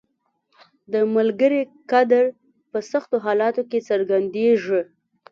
• د ملګري قدر په سختو حالاتو کې څرګندیږي.